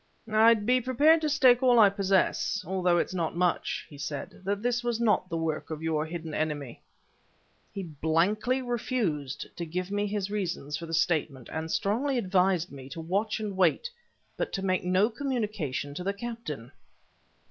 "I'd be prepared to stake all I possess although it's not much," he said, "that this was not the work of your hidden enemy." He blankly refused to give me his reasons for the statement and strongly advised me to watch and wait but to make no communication to the captain.